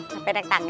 capek nek tangga